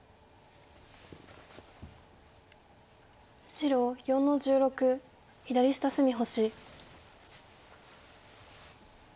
白４の十六左下隅星。